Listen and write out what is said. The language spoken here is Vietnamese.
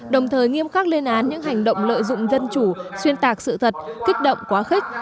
đồng thời nghiêm khắc lên án những hành động lợi dụng dân chủ xuyên tạc sự thật kích động quá khích